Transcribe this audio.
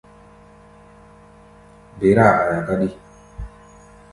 Ber-áa aia káɗí.